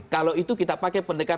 kalau itu kita pakai pendekatan